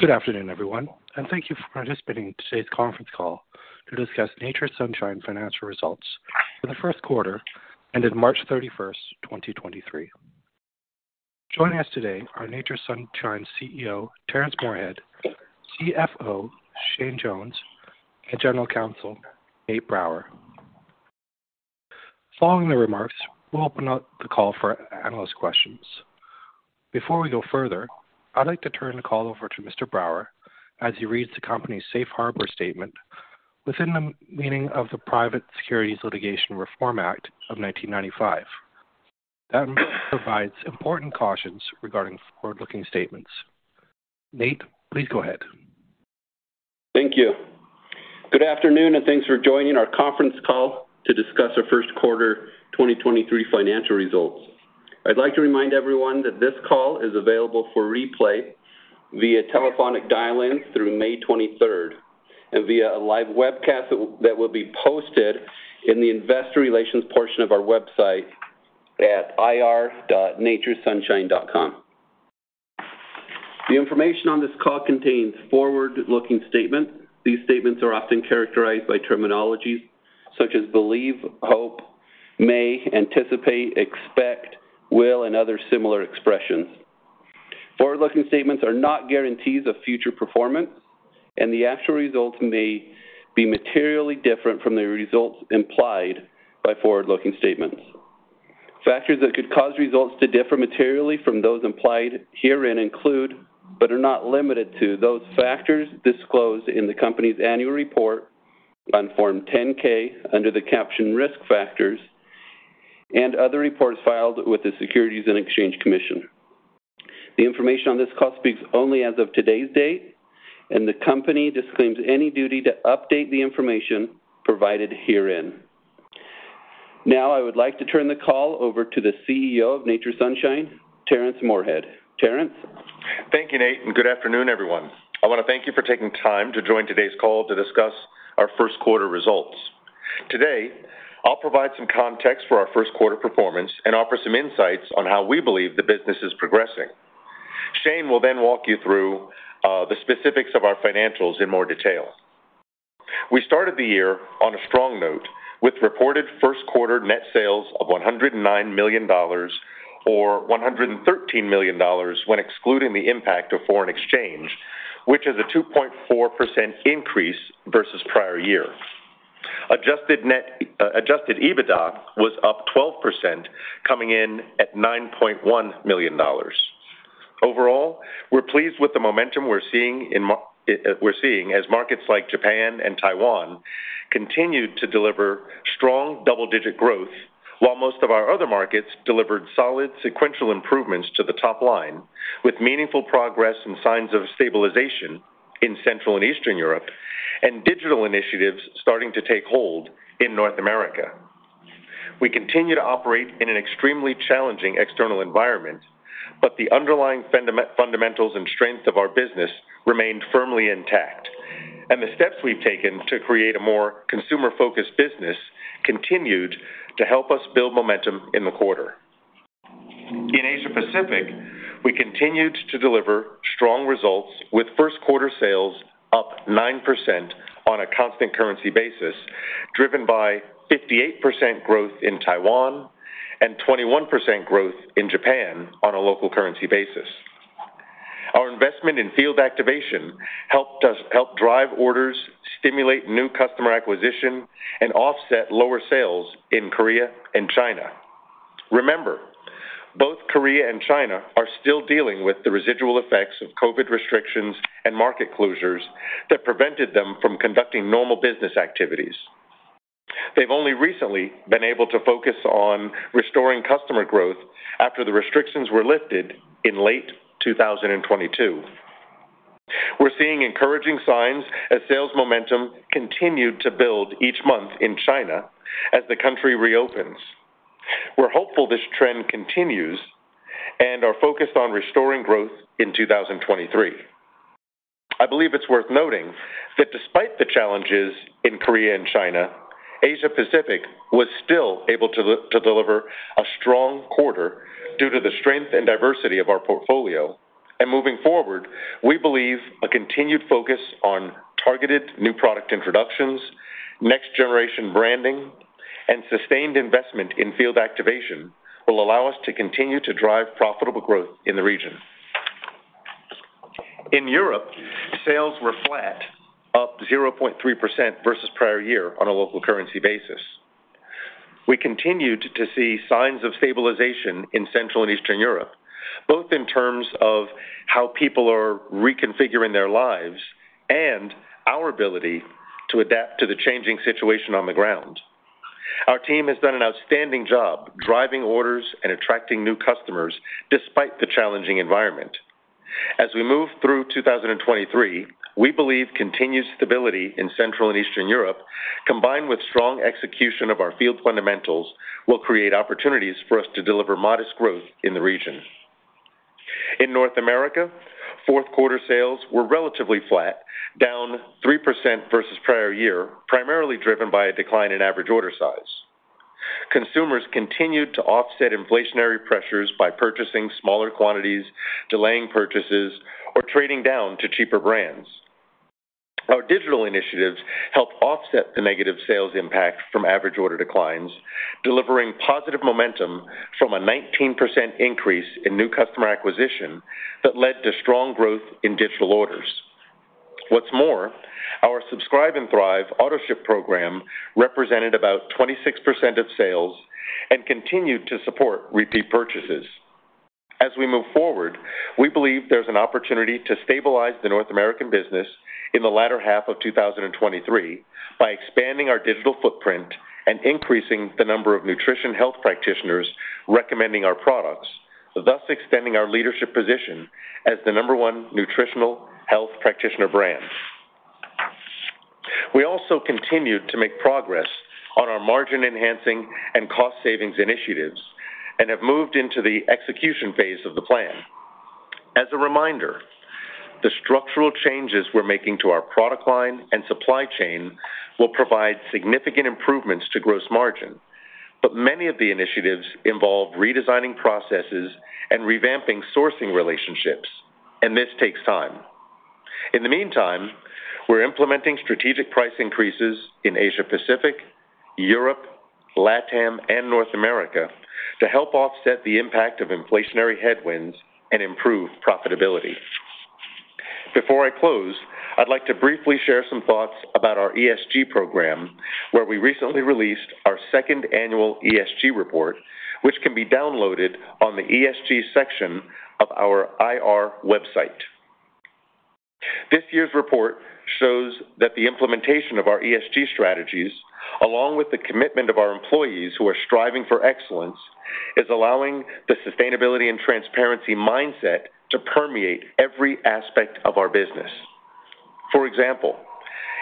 Good afternoon, everyone, and thank you for participating in today's conference call to discuss Nature's Sunshine financial results for the first quarter ended March 31, 2023. Joining us today are Nature's Sunshine CEO, Terrence Moorehead, CFO, Shane Jones, and General Counsel, Nate Brower. Following the remarks, we'll open up the call for analyst questions. Before we go further, I'd like to turn the call over to Mr. Brower as he reads the company's safe harbor statement within the meaning of the Private Securities Litigation Reform Act of 1995. That provides important cautions regarding forward-looking statements. Nate, please go ahead. Thank you. Good afternoon, and thanks for joining our conference call to discuss our first quarter 2023 financial results. I'd like to remind everyone that this call is available for replay via telephonic dial-in through May 23rd and via a live webcast that will be posted in the investor relations portion of our website at ir.naturessunshine.com. The information on this call contains forward-looking statements. These statements are often characterized by terminologies such as believe, hope, may, anticipate, expect, will, and other similar expressions. Forward-looking statements are not guarantees of future performance, and the actual results may be materially different from the results implied by forward-looking statements. Factors that could cause results to differ materially from those implied herein include, but are not limited to, those factors disclosed in the company's annual report on Form 10-K under the caption Risk Factors and other reports filed with the Securities and Exchange Commission. The information on this call speaks only as of today's date, and the company disclaims any duty to update the information provided herein. Now, I would like to turn the call over to the CEO of Nature's Sunshine, Terrence Moorehead. Terrence? Thank you, Nate, and good afternoon, everyone. I want to thank you for taking time to join today's call to discuss our first quarter results. Today, I'll provide some context for our first quarter performance and offer some insights on how we believe the business is progressing. Shane will then walk you through the specifics of our financials in more detail. We started the year on a strong note with reported first quarter net sales of $109 million, or $113 million when excluding the impact of foreign exchange, which is a 2.4% increase versus prior year. Adjusted EBITDA was up 12%, coming in at $9.1 million. Overall, we're pleased with the momentum we're seeing as markets like Japan and Taiwan continued to deliver strong double-digit growth while most of our other markets delivered solid sequential improvements to the top line with meaningful progress and signs of stabilization in Central and Eastern Europe and digital initiatives starting to take hold in North America. We continue to operate in an extremely challenging external environment, the underlying fundamentals and strength of our business remain firmly intact, the steps we've taken to create a more consumer-focused business continued to help us build momentum in the quarter. In Asia Pacific, we continued to deliver strong results with first quarter sales up 9% on a constant currency basis, driven by 58% growth in Taiwan and 21% growth in Japan on a local currency basis. Our investment in field activation helped us drive orders, stimulate new customer acquisition, and offset lower sales in Korea and China. Both Korea and China are still dealing with the residual effects of COVID restrictions and market closures that prevented them from conducting normal business activities. They've only recently been able to focus on restoring customer growth after the restrictions were lifted in late 2022. We're seeing encouraging signs as sales momentum continued to build each month in China as the country reopens. We're hopeful this trend continues and are focused on restoring growth in 2023. I believe it's worth noting that despite the challenges in Korea and China, Asia Pacific was still able to deliver a strong quarter due to the strength and diversity of our portfolio. Moving forward, we believe a continued focus on targeted new product introductions, next generation branding, and sustained investment in field activation will allow us to continue to drive profitable growth in the region. In Europe, sales were flat, up 0.3% versus prior year on a local currency basis. We continued to see signs of stabilization in Central and Eastern Europe, both in terms of how people are reconfiguring their lives and our ability to adapt to the changing situation on the ground. Our team has done an outstanding job driving orders and attracting new customers despite the challenging environment. As we move through 2023, we believe continued stability in Central and Eastern Europe, combined with strong execution of our field fundamentals, will create opportunities for us to deliver modest growth in the region. In North America, Q4 sales were relatively flat, down 3% versus prior year, primarily driven by a decline in average order size. Consumers continued to offset inflationary pressures by purchasing smaller quantities, delaying purchases, or trading down to cheaper brands. Our digital initiatives help offset the negative sales impact from average order declines, delivering positive momentum from a 19% increase in new customer acquisition that led to strong growth in digital orders. What's more, our Subscribe and Thrive autoship program represented about 26% of sales and continued to support repeat purchases. As we move forward, we believe there's an opportunity to stabilize the North American business in the latter half of 2023 by expanding our digital footprint and increasing the number of nutrition health practitioners recommending our products, thus extending our leadership position as the number one nutritional health practitioner brand. We also continued to make progress on our margin enhancing and cost savings initiatives and have moved into the execution phase of the plan. As a reminder, the structural changes we're making to our product line and supply chain will provide significant improvements to gross margin. Many of the initiatives involve redesigning processes and revamping sourcing relationships, and this takes time. In the meantime, we're implementing strategic price increases in Asia Pacific, Europe, LatAm, and North America to help offset the impact of inflationary headwinds and improve profitability. Before I close, I'd like to briefly share some thoughts about our ESG program, where we recently released our second annual ESG report, which can be downloaded on the ESG section of our IR website. This year's report shows that the implementation of our ESG strategies, along with the commitment of our employees who are striving for excellence, is allowing the sustainability and transparency mindset to permeate every aspect of our business. For example,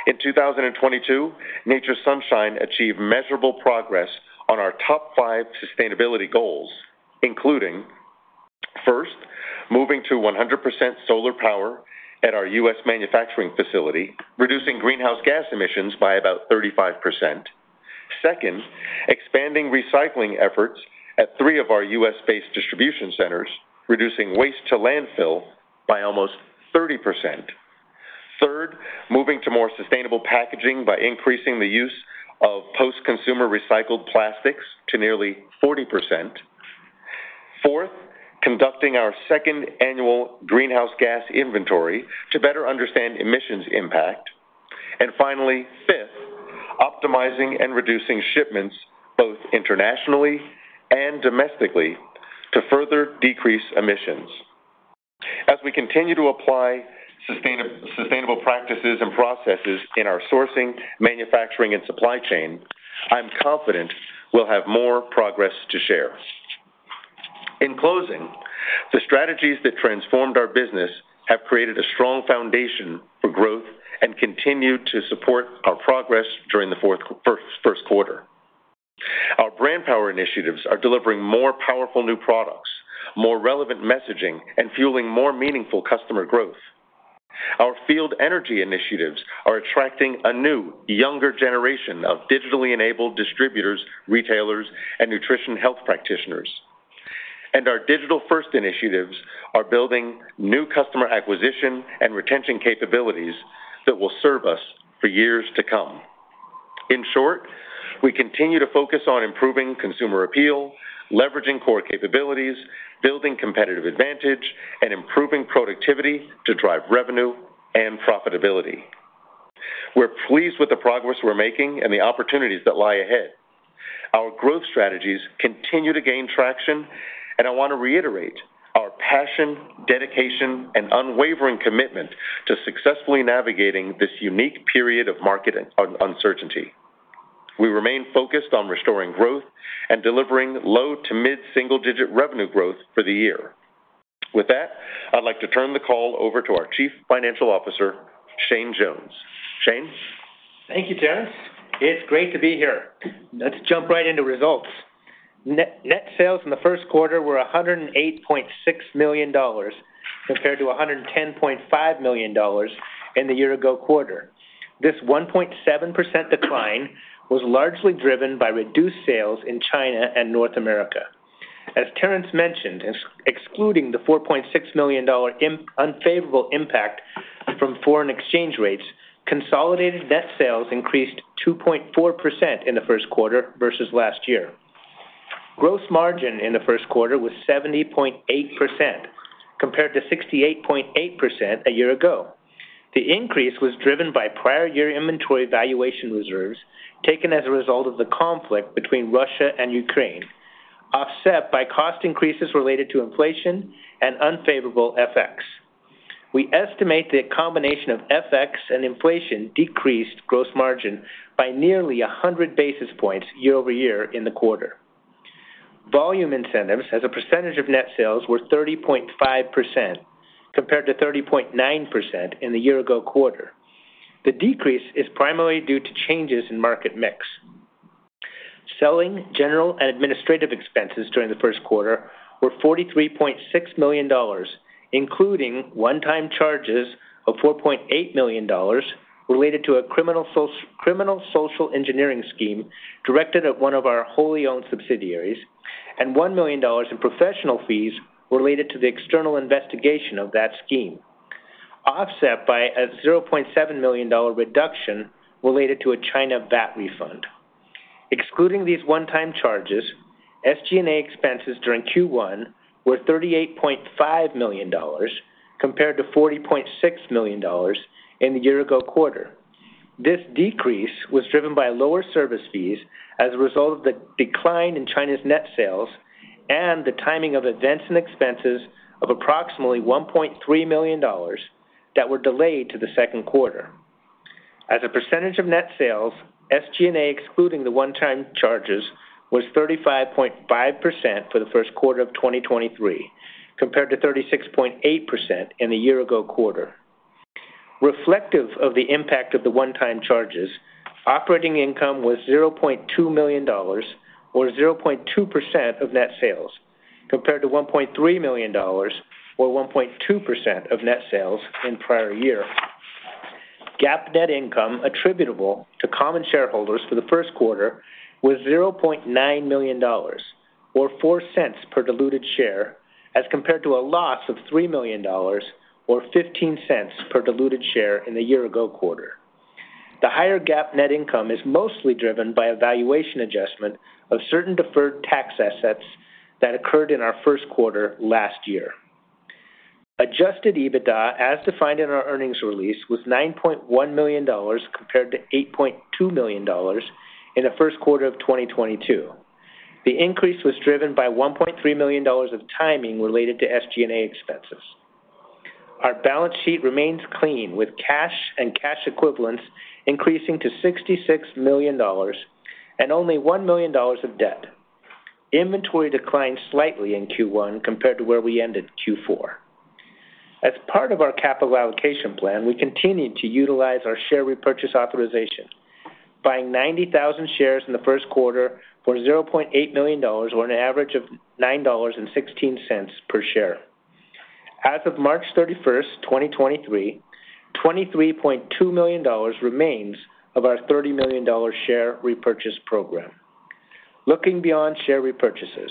in 2022, Nature's Sunshine achieved measurable progress on our top five sustainability goals, including, first, moving to 100% solar power at our U.S. manufacturing facility, reducing greenhouse gas emissions by about 35%. Second, expanding recycling efforts at three of our U.S.-based distribution centers, reducing waste to landfill by almost 30%. Third, moving to more sustainable packaging by increasing the use of post-consumer recycled plastics to nearly 40%. Fourth, conducting our second annual greenhouse gas inventory to better understand emissions impact. Finally, fifth, optimizing and reducing shipments both internationally and domestically to further decrease emissions. As we continue to apply sustainable practices and processes in our sourcing, manufacturing, and supply chain, I'm confident we'll have more progress to share. In closing, the strategies that transformed our business have created a strong foundation for growth and continue to support our progress during the first quarter. Our brand power initiatives are delivering more powerful new products, more relevant messaging, and fueling more meaningful customer growth. Our field energy initiatives are attracting a new, younger generation of digitally enabled distributors, retailers, and nutrition health practitioners. Our digital-first initiatives are building new customer acquisition and retention capabilities that will serve us for years to come. In short, we continue to focus on improving consumer appeal, leveraging core capabilities, building competitive advantage, and improving productivity to drive revenue and profitability. We're pleased with the progress we're making and the opportunities that lie ahead. Our growth strategies continue to gain traction. I want to reiterate our passion, dedication, and unwavering commitment to successfully navigating this unique period of market uncertainty. We remain focused on restoring growth and delivering low to mid-single digit revenue growth for the year. With that, I'd like to turn the call over to our Chief Financial Officer, Shane Jones. Shane? Thank you, Terrence. It's great to be here. Let's jump right into results. Net sales in the first quarter were $108.6 million compared to $110.5 million in the year ago quarter. This 1.7% decline was largely driven by reduced sales in China and North America. As Terrence mentioned, excluding the $4.6 million unfavorable impact from foreign exchange rates, consolidated net sales increased 2.4% in the first quarter versus last year. Gross margin in the first quarter was 70.8%, compared to 68.8% a year ago. The increase was driven by prior year inventory valuation reserves taken as a result of the conflict between Russia and Ukraine, offset by cost increases related to inflation and unfavorable FX. We estimate the combination of FX and inflation decreased gross margin by nearly 100 basis points year-over-year in the quarter. Volume incentives as a percentage of net sales were 30.5%, compared to 30.9% in the year ago quarter. The decrease is primarily due to changes in market mix. Selling general and administrative expenses during the first quarter were $43.6 million, including one-time charges of $4.8 million related to a criminal social engineering scheme directed at one of our wholly owned subsidiaries, and $1 million in professional fees related to the external investigation of that scheme, offset by a $0.7 million reduction related to a China VAT refund. Excluding these one-time charges, SG&A expenses during Q1 were $38.5 million compared to $40.6 million in the year ago quarter. This decrease was driven by lower service fees as a result of the decline in China's net sales and the timing of events and expenses of approximately $1.3 million that were delayed to the second quarter. As a percentage of net sales, SG&A, excluding the one-time charges, was 35.5% for the first quarter of 2023, compared to 36.8% in the year ago quarter. Reflective of the impact of the one-time charges, operating income was $0.2 million, or 0.2% of net sales, compared to $1.3 million or 1.2% of net sales in prior year. GAAP net income attributable to common shareholders for the first quarter was $0.9 million or $0.04 per diluted share, as compared to a loss of $3 million or $0.15 per diluted share in the year-ago quarter. The higher GAAP net income is mostly driven by a valuation adjustment of certain deferred tax assets that occurred in our first quarter last year. Adjusted EBITDA, as defined in our earnings release, was $9.1 million compared to $8.2 million in the first quarter of 2022. The increase was driven by $1.3 million of timing related to SG&A expenses. Our balance sheet remains clean, with cash and cash equivalents increasing to $66 million and only $1 million of debt. Inventory declined slightly in Q1 compared to where we ended Q4. As part of our capital allocation plan, we continued to utilize our share repurchase authorization, buying 90,000 shares in Q1 for $0.8 million or an average of $9.16 per share. As of March 31, 2023, $23.2 million remains of our $30 million share repurchase program. Looking beyond share repurchases,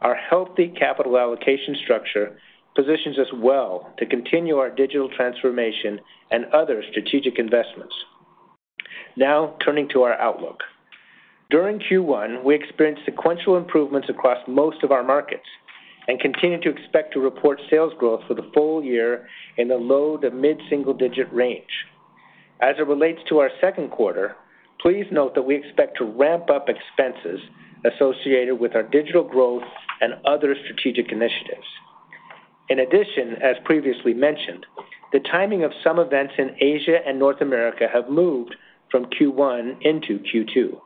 our healthy capital allocation structure positions us well to continue our digital transformation and other strategic investments. Turning to our outlook. During Q1, we experienced sequential improvements across most of our markets and continue to expect to report sales growth for the full year in the low to mid-single digit range. As it relates to our Q2, please note that we expect to ramp up expenses associated with our digital growth and other strategic initiatives. In addition, as previously mentioned, the timing of some events in Asia and North America have moved from Q1 into Q2.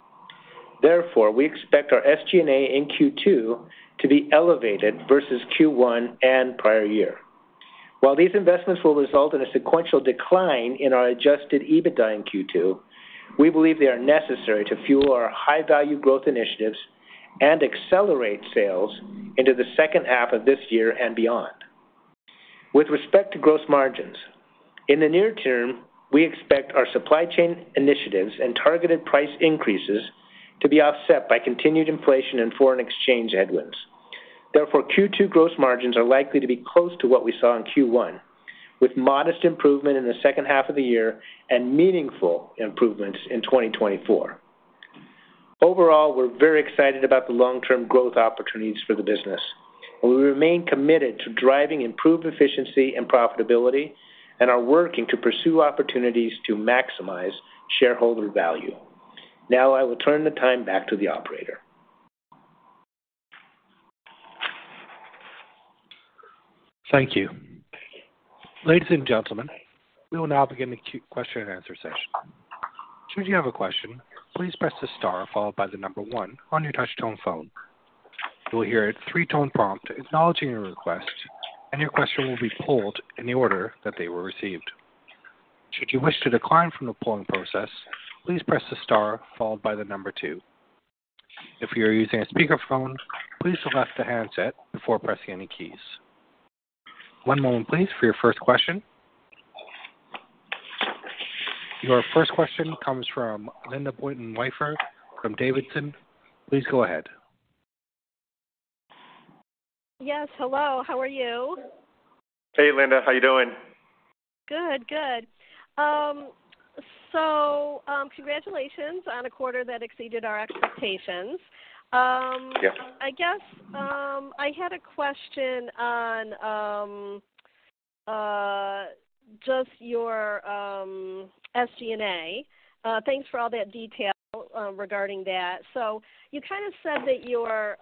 We expect our SG&A in Q2 to be elevated versus Q1 and prior year. While these investments will result in a sequential decline in our Adjusted EBITDA in Q2, we believe they are necessary to fuel our high-value growth initiatives and accelerate sales into the second half of this year and beyond. With respect to gross margins, in the near term, we expect our supply chain initiatives and targeted price increases to be offset by continued inflation and foreign exchange headwinds. Q2 gross margins are likely to be close to what we saw in Q1, with modest improvement in the second half of the year and meaningful improvements in 2024. Overall, we're very excited about the long-term growth opportunities for the business, and we remain committed to driving improved efficiency and profitability and are working to pursue opportunities to maximize shareholder value. Now I will turn the time back to the operator. Thank you. Ladies and gentlemen, we will now begin the question and answer session. Should you have a question, please press the star followed by the number one on your touch tone phone. You will hear a three-tone prompt acknowledging your request, and your question will be pulled in the order that they were received. Should you wish to decline from the polling process, please press the star followed by the number two. If you are using a speakerphone, please select the handset before pressing any keys. One moment please for your first question. Your first question comes from Linda Bolton Weiser from Davidson. Please go ahead. Yes, hello. How are you? Hey, Linda. How you doing? Good. Good. Congratulations on a quarter that exceeded our expectations. Yeah. I guess, I had a question on just your SG&A. Thanks for all that detail regarding that. You kind of said that your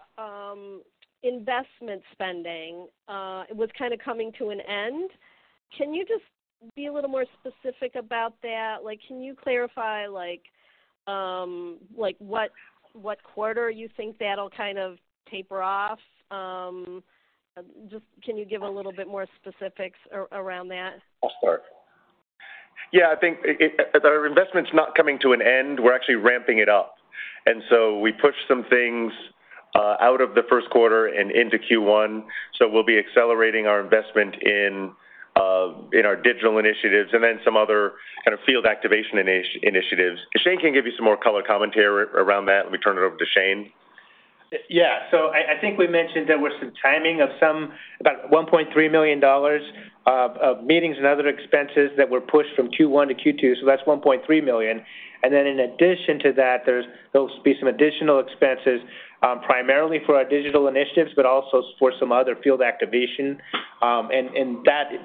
investment spending was kind of coming to an end. Can you just be a little more specific about that? Can you clarify like what quarter you think that'll kind of taper off? Just can you give a little bit more specifics around that? I'll start. Yeah, I think our investment's not coming to an end. We're actually ramping it up. We pushed some things out of the first quarter and into Q1. We'll be accelerating our investment in our digital initiatives and then some other kind of field activation initiatives. Shane can give you some more color commentary around that. Let me turn it over to Shane. I think we mentioned there was some timing of some about $1.3 million of meetings and other expenses that were pushed from Q1 to Q2, so that's $1.3 million. In addition to that, there'll be some additional expenses, primarily for our digital initiatives, but also for some other field activation. That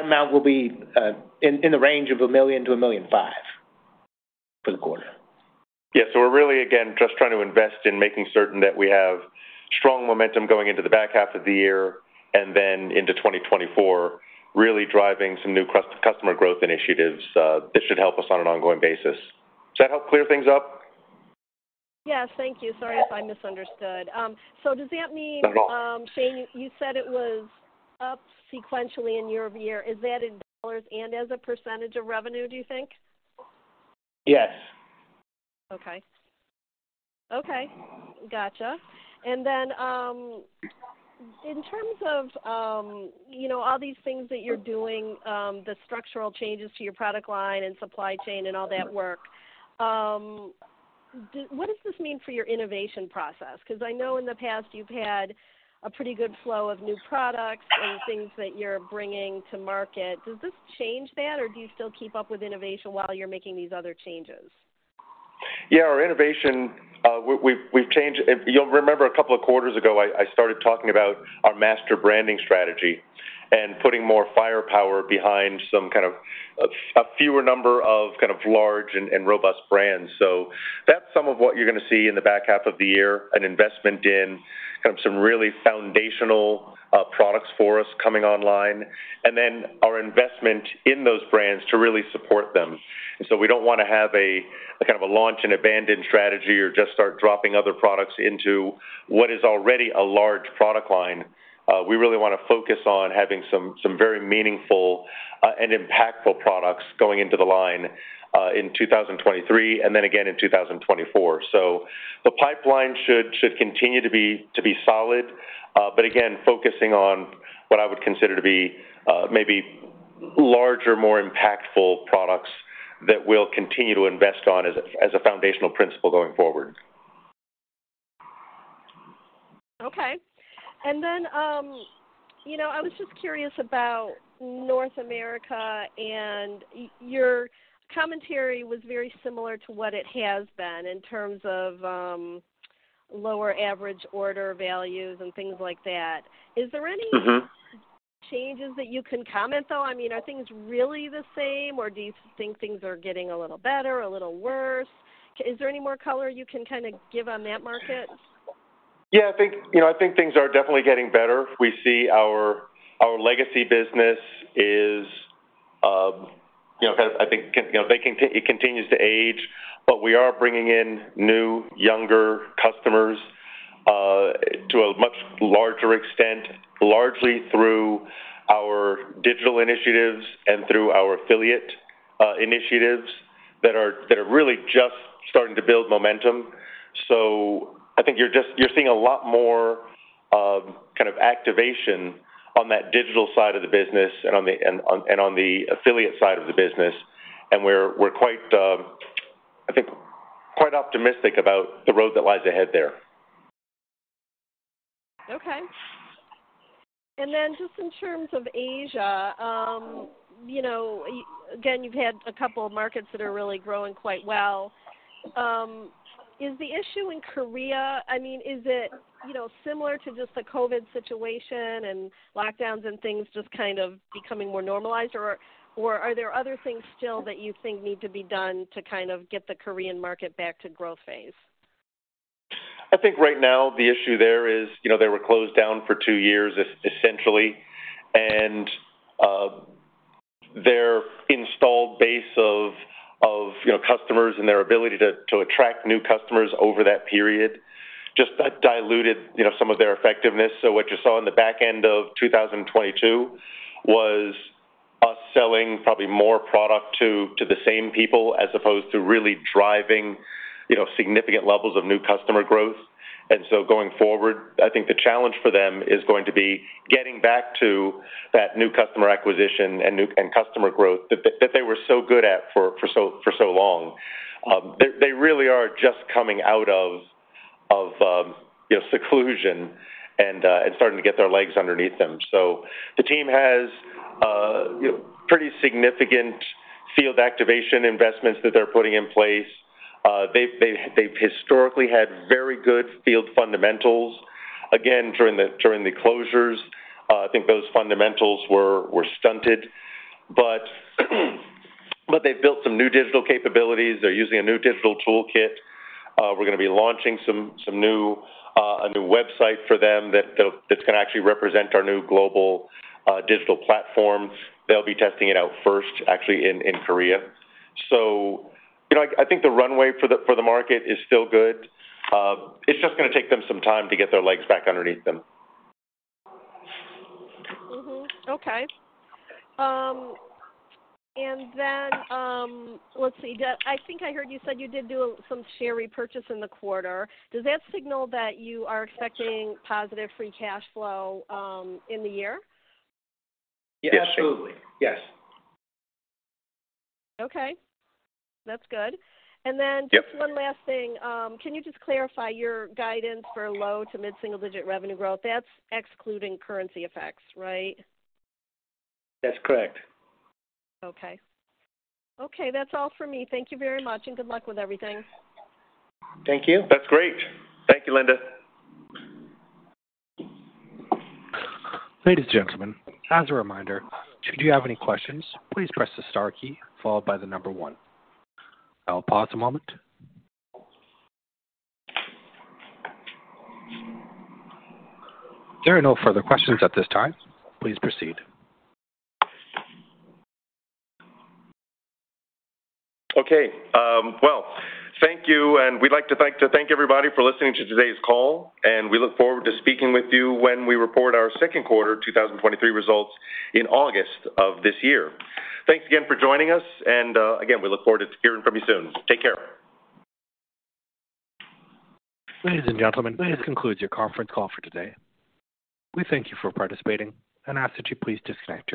amount will be in the range of $1 million-$1.5 million for the quarter. We're really, again, just trying to invest in making certain that we have strong momentum going into the back half of the year and then into 2024, really driving some new customer growth initiatives that should help us on an ongoing basis. Does that help clear things up? Yes. Thank you. Sorry if I misunderstood. Does that mean? Not at all. Shane, you said it was up sequentially in year-over-year. Is that in dollars and as a percentage of revenue, do you think? Yes. Okay. Okay. Got you. Then, in terms of all these things that you're doing, the structural changes to your product line and supply chain and all that work, what does this mean for your innovation process? I know in the past you've had a pretty good flow of new products and things that you're bringing to market. Does this change that, or do you still keep up with innovation while you're making these other changes? Yeah, our innovation, we've changed. If you'll remember a couple of quarters ago, I started talking about our master branding strategy and putting more firepower behind some kind of a fewer number of kind of large and robust brands. That's some of what you're gonna see in the back half of the year, an investment in kind of some really foundational products for us coming online. Then our investment in those brands to really support them. We don't want to have a kind of a launch and abandon strategy or just start dropping other products into what is already a large product line. We really wanna focus on having some very meaningful and impactful products going into the line in 2023 and then again in 2024. The pipeline should continue to be solid, but again, focusing on what I would consider to be maybe larger, more impactful products that we'll continue to invest on as a, as a foundational principle going forward. Okay. I was just curious about North America, and your commentary was very similar to what it has been in terms of, lower average order values and things like that. Is there any- Mm-hmm. Changes that you can comment, though? I mean, are things really the same, or do you think things are getting a little better, a little worse? Is there any more color you can kind of give on that market? Yeah, I think things are definitely getting better. We see our legacy business is kind of, I think, it continues to age, but we are bringing in new, younger customers to a much larger extent, largely through our digital initiatives and through our affiliate initiatives that are really just starting to build momentum. I think you're seeing a lot more kind of activation on that digital side of the business and on the affiliate side of the business. We're quite, I think quite optimistic about the road that lies ahead there. Okay. Just in terms of Asia, you know, again, you've had a couple of markets that are really growing quite well. Is the issue in Korea... I mean, is it similar to just the COVID situation and lockdowns and things just kind of becoming more normalized or are there other things still that you think need to be done to kind of get the Korean market back to growth phase? I think right now the issue there is, they were closed down for two years essentially, and their installed base of, you know, customers and their ability to attract new customers over that period, just that diluted, you know, some of their effectiveness. What you saw in the back end of 2022 was us selling probably more product to the same people as opposed to really driving, you know, significant levels of new customer growth. Going forward, I think the challenge for them is going to be getting back to that new customer acquisition and customer growth that they were so good at for so long. They really are just coming out of, you know, seclusion and starting to get their legs underneath them. The team has, you know, pretty significant field activation investments that they're putting in place. They've historically had very good field fundamentals. Again, during the closures, I think those fundamentals were stunted. They've built some new digital capabilities. They're using a new digital toolkit. We're gonna be launching some new, a new website for them that's gonna actually represent our new global, digital platform. They'll be testing it out first, actually in Korea. You know, I think the runway for the market is still good. It's just gonna take them some time to get their legs back underneath them. Mm-hmm. Okay. let's see. I think I heard you said you did do some share repurchase in the quarter. Does that signal that you are expecting positive free cash flow in the year? Yes. Absolutely, yes. Okay. That's good. Then. Yep. Just one last thing. Can you just clarify your guidance for low to mid-single digit revenue growth? That's excluding currency effects, right? That's correct. Okay. Okay, that's all for me. Thank you very much, and good luck with everything. Thank you. That's great. Thank you, Linda. Ladies and gentlemen, as a reminder, should you have any questions, please press the star key followed by the number one. I'll pause a moment. There are no further questions at this time. Please proceed. Okay. Well, thank you, and we'd like to thank everybody for listening to today's call, and we look forward to speaking with you when we report our second quarter 2023 results in August of this year. Thanks again for joining us. Again, we look forward to hearing from you soon. Take care. Ladies and gentlemen, this concludes your conference call for today. We thank you for participating and ask that you please disconnect.